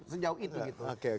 sejauh itu gitu